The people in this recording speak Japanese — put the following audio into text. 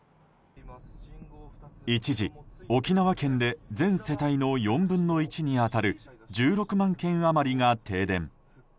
一時、沖縄県で全世帯の４分の１に当たる１６万軒余りが停電。